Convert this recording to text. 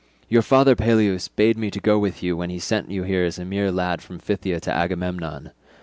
Your father Peleus bade me go with you when he sent you as a mere lad from Phthia to Agamemnon.